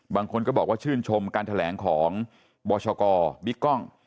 บางคนก็บอกว่าชื่นชมการแถลงของบชกบิ๊กกล้อง